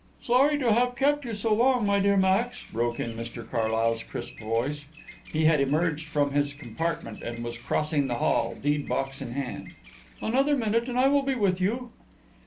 "Sorry to have kept you so long, my dear Max," broke in Mr Carlyle's crisp voice. He had emerged from his compartment and was crossing the hall, deed box in hand. "Another minute and I will be with you."